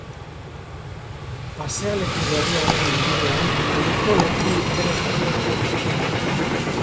Pasealeku Berriaren inguruan honako leku interesgarri hauek daude.